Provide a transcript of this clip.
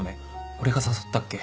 俺が誘ったっけ？